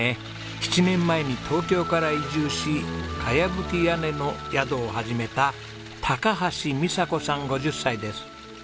７年前に東京から移住し茅葺き屋根の宿を始めた高橋美佐子さん５０歳です。